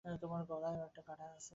তোমার গলায়ও একটা আছে।